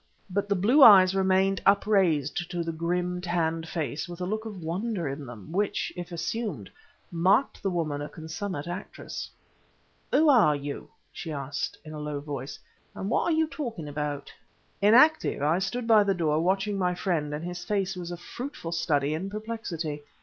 But the blue eyes remained upraised to the grim tanned face with a look of wonder in them, which, if assumed, marked the woman a consummate actress. "Who are you?" she asked in a low voice, "and what are you talking about?" Inactive, I stood by the door watching my friend, and his face was a fruitful study in perplexity.